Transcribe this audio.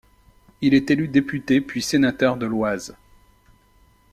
Il est élu député puis sénateur de l’Oise.